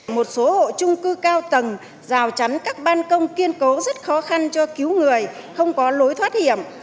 một số hộ trung cư cao tầng rào chắn các ban công kiên cố rất khó khăn cho cứu người không có lối thoát hiểm